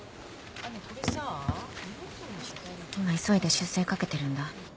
今急いで修正かけてるんだ。